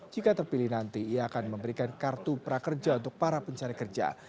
jika terpilih nanti ia akan memberikan kartu prakerja untuk para pencari kerja